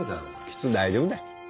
きっと大丈夫だ